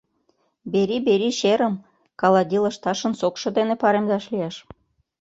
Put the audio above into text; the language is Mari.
Бери-бери черым калади лышташын сокшо дене паремдаш лиеш.